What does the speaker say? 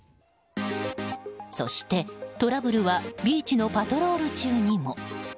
そして、トラブルはビーチのパトロール中にも。